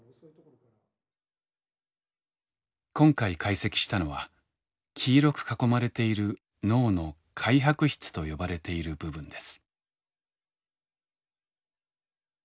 今回解析したのは黄色く囲まれている脳の灰白質と呼ばれている部分です。